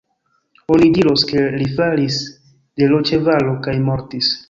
Oni diros, ke li falis de l' ĉevalo kaj mortis.